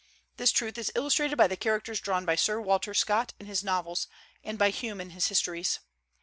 This truth is illustrated by the characters drawn by Sir Walter Scott in his novels, and by Hume in his histories.